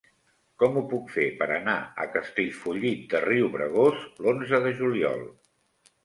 Com ho puc fer per anar a Castellfollit de Riubregós l'onze de juliol?